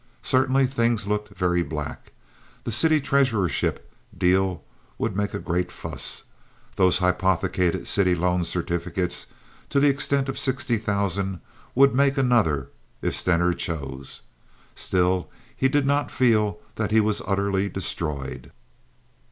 Certainly things looked very black. The city treasurership deal would make a great fuss. Those hypothecated city loan certificates, to the extent of sixty thousand, would make another, if Stener chose. Still, he did not feel that he was utterly destroyed.